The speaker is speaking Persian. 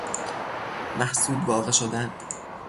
محسود واقع شدن